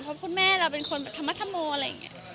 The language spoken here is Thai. เพราะคุณแม่เราเป็นคนแบบธรรมธรโมอะไรอย่างนี้